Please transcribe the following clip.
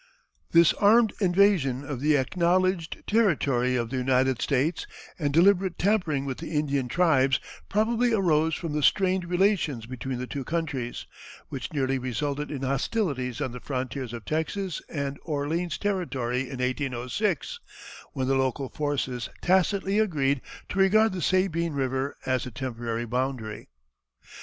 This armed invasion of the acknowledged territory of the United States and deliberate tampering with the Indian tribes probably arose from the strained relations between the two countries, which nearly resulted in hostilities on the frontiers of Texas and Orleans territory in 1806, when the local forces tacitly agreed to regard the Sabine River as the temporary boundary.